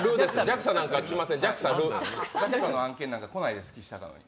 ＪＡＸＡの案件なんか来ないですきしたかのに。